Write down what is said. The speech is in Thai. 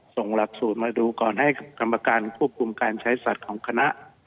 ส่งหลักสูตรมาดูก่อนให้กรรมการควบคุมการใช้สัตว์ของคณะ